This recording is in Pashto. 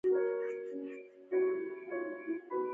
که پر اوبو پښه ږدم نه ماتیږي.